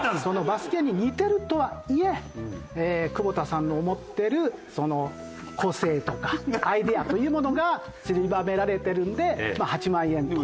バスキアに似てるとはいえ久保田さんの持ってる個性とかアイデアというものがちりばめられてるんでまあ８万円と。